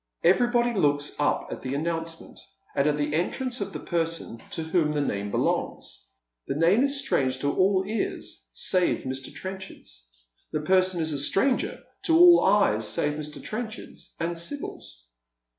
Everybody looks up at the announcement, and at the entrance of the person to whom the name belongs. The name is strange to all ears save Mr. Trenchard's. The person is a stranger to all eyes save ]\Ir. Trenchard's and Sibyl's.